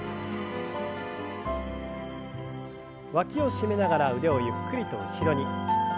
わきを締めながら腕をゆっくりと後ろに。